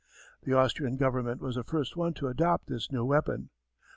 The Austrian Government was the first one to adopt this new weapon.